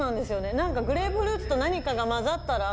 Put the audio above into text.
何かグレープフルーツと何かが混ざったら。